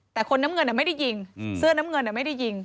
แต่คนน้ำเงินไม่ได้ยิงเสื้อน้ำเงินไม่ได้ยิง